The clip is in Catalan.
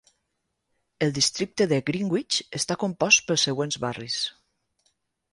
El districte de Greenwich està compost pels següents barris.